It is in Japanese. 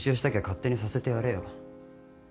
勝手にさせてやれよ。